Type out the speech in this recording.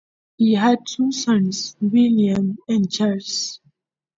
He had two sons, William and Charles.